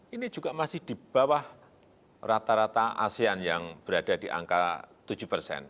ini juga masih di bawah rata rata asean yang berada di angka tujuh persen